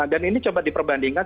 dan ini coba diperbandingkan